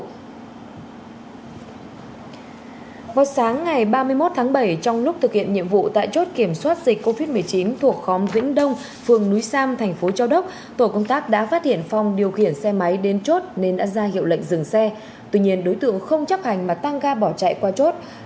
công an phường núi sam thành phố châu đốc tỉnh an giang vừa đề xuất ban chỉ đạo phòng chống dịch covid một mươi chín phường núi sam ra quyết định xử phạt hai triệu đồng đối với trương thanh phong tạm trú tại thành phố châu đốc về hành vi ra đường không thật sự cần thiết